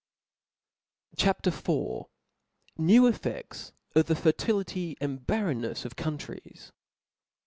C H A P. IV. New EffeBs of the Fertility and Barrennefs of" Countries.